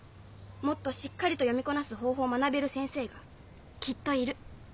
もっとしっかりと読みこなす方法を学べる先生がきっといる。